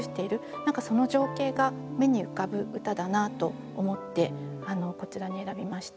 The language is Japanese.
何かその情景が目に浮かぶ歌だなと思ってこちらに選びました。